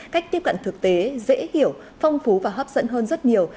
cách tiếp cận thực tế dễ hiểu phong phú và hấp dẫn hơn rất nhiều